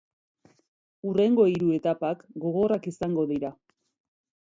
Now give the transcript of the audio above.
Hurrengo hiru etapak gogorrak izango dira.